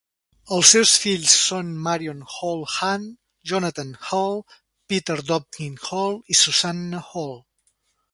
Els seus fills són Marion Hall Hunt, Jonathan Hall, Peter Dobkin Hall i Susannah Hall.